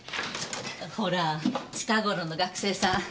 ほら近頃の学生さん